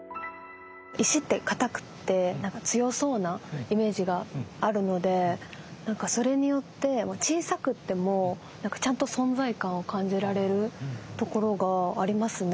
石って硬くて強そうなイメージがあるのでそれによって小さくてもちゃんと存在感を感じられるところがありますね。